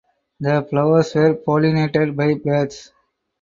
The flowers are pollinated by birds.